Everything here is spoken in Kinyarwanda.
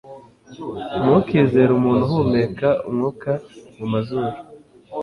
ntukizere umuntu uhumeka umwuka mumazuru